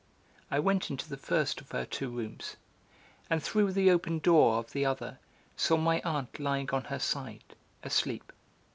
I went into the first of her two rooms, and through the open door of the other saw my aunt lying on her side, asleep.